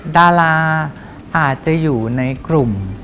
ดาราอาจจะอยู่ในกลุ่ม